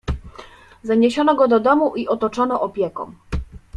"Zaniesiono go do domu i otoczono opieką."